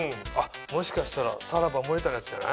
もしかしたらさらば・森田のやつじゃない？